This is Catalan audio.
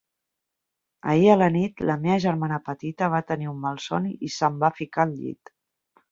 Ahir a la nit, la meva germana petita va tenir un malson i se'm va ficar al llit.